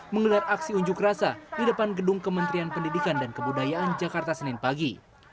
menggelar aksi unjuk rasa di depan gedung kementerian pendidikan dan kebudayaan jakarta senin pagi